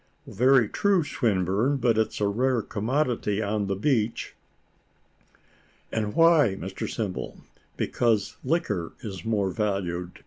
"Very true. Swinburne; but it's a rare commodity on the beach." "And why, Mr Simple? because liquor is more valued.